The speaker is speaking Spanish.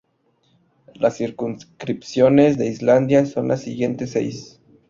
Las circunscripciones de Islandia son las siguientes seis.